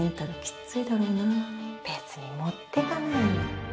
別に持ってかないよ。